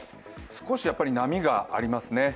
少し波がありますね。